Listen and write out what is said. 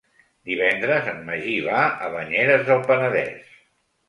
Divendres en Magí va a Banyeres del Penedès.